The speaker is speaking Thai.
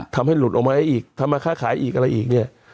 ทำให้หลุดออกมาได้อีกทำมาค่าขายอีกอะไรอีกเนี่ย